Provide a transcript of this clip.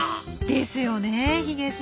ですよねえヒゲじい。